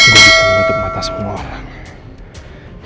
gue bisa menutup mata semua orang